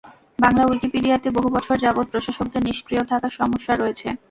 বাংলা উইকিপিডিয়াতে বহু বছর যাবত প্রশাসকদের নিষ্ক্রিয় থাকার সমস্যা রয়েছে।